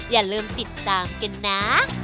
อย่าลืมติดตามกันนะ